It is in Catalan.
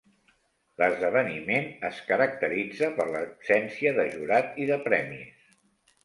L'esdeveniment es caracteritza per l'absència de jurat i de premis.